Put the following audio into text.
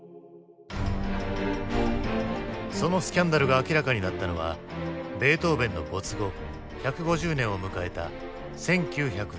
そのスキャンダルが明らかになったのはベートーヴェンの没後１５０年を迎えた１９７７年。